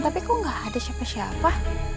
tapi kok gak ada siapa siapa